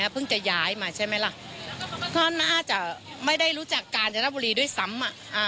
เพราะน่าจะไม่ได้รู้จักการเจรบบุรีด้วยซ้ำ